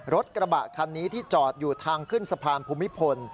รถกระบะคันนี้ที่จอดอยู่ทางขึ้นสะพานภูมิพล